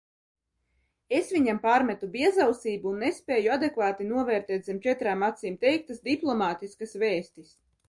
Es viņam pārmetu biezausību un nespēju adekvāti novērtēt zem četrām acīm teiktas diplomātiskas vēstis.